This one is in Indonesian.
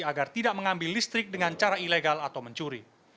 agar tidak mengambil listrik dengan cara ilegal atau mencuri